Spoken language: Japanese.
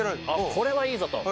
これはいいぞと。